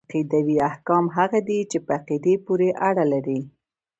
عقيدوي احکام هغه دي چي په عقيدې پوري اړه لري .